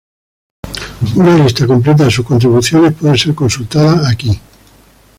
Una lista completa de sus contribuciones puede ser consultada aquí.